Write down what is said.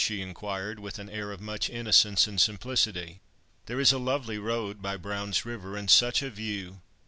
she inquired, with an air of much innocence and simplicity. "There is a lovely road by Brown's River, and such a view!